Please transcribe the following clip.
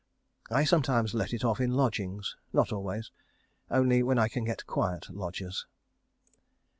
I sometimes let it off in lodgings. Not always. Only when I can get quiet lodgers.